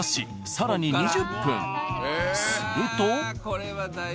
すると。